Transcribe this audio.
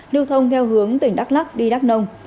lưu thông theo hướng tỉnh đắk lắc đi đắk nông